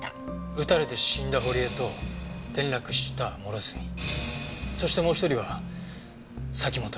撃たれて死んだ堀江と転落した諸角そしてもう一人は崎本菜津美。